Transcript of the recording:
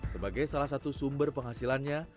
sebagai salah satu sumber penghasilannya